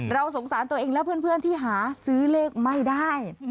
เราสงสารตัวเองและเพื่อนที่หาซื้อเลขไม่ได้